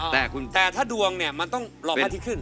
แต่ถ้าดวงเนี่ยมันต้องลองอาทิตย์ขึ้น